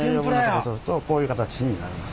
こういう形になります。